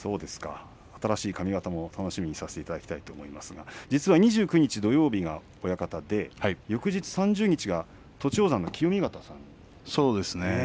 新しい髪形を楽しみにさせていただきたいと思いますが２９日、土曜日が親方で翌日３０日が栃煌山の清見潟さん。